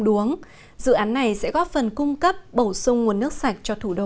đuống dự án này sẽ góp phần cung cấp bổ sung nguồn nước sạch cho thủ đô